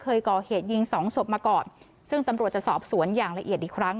เคยก่อเหตุยิงสองศพมาก่อนซึ่งตำรวจจะสอบสวนอย่างละเอียดอีกครั้ง